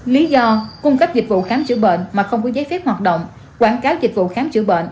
lý do cung cấp dịch vụ khám chữa bệnh mà không có giấy phép hoạt động quảng cáo dịch vụ khám chữa bệnh